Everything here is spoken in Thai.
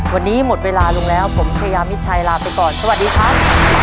วันนี้หมดเวลาลงแล้วผมชายามิดชัยลาไปก่อนสวัสดีครับ